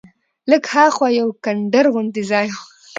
لږ ها خوا یو کنډر غوندې ځای و.